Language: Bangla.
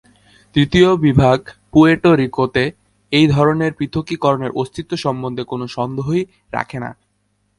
তৃতীয় বিভাগ পুয়ের্টো রিকোতে এই ধরনের পৃথকীকরণের অস্তিত্ব সম্বন্ধে কোনো সন্দেহই রাখে না।